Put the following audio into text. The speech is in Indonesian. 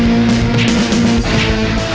ini bisa pecah